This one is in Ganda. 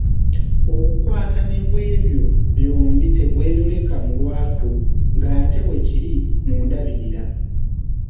Obukwatane bw’ebyo byombi tebweyoleka lwatu ng’ate bwe kiri ku ndabirira.